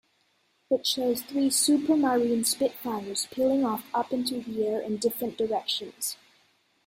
It shows three Supermarine Spitfires peeling off up into the air in different directions.